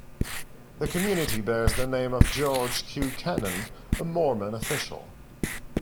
The community bears the name of George Q. Cannon, a Mormon official.